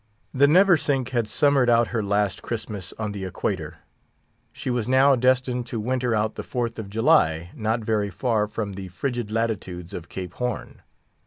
The Neversink had summered out her last Christmas on the Equator; she was now destined to winter out the Fourth of July not very far from the frigid latitudes of Cape Horn.